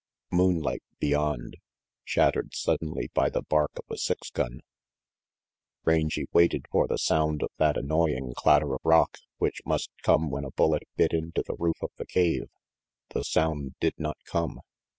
Moonlight beyond shattered suddenly by the bark of a six gun. Rangy waited for the sound of that annoying clatter of rock which must come when a bullet bit into the roof of the cave the sound did not come.